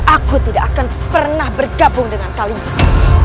aku tidak akan pernah bergabung dengan kalian